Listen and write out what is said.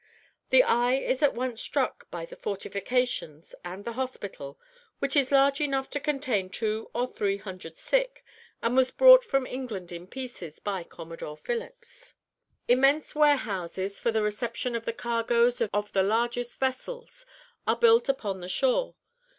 "The eye is at once struck by the fortifications, and the hospital, which is large enough to contain two or three hundred sick, and was brought from England in pieces by Commodore Philips. Immense warehouses, for the reception of the cargoes of the largest vessels, are built upon the shore.